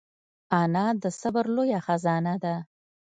انا د صبر لویه خزانه ده